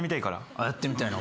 あっやってみたいの？